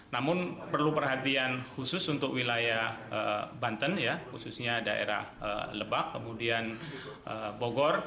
namun perlu perhatian khusus untuk wilayah banten khususnya daerah lebak kemudian bogor